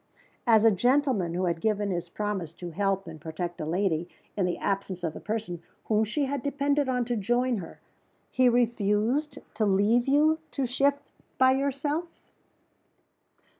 "As a gentleman who had given his promise to help and protect a lady, in the absence of the person whom she had depended on to join her, he refused to leave you to shift by yourself?"